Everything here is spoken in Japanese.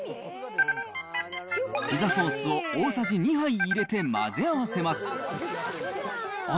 ピザソースを大さじ２杯入れて混ぜ合わせます。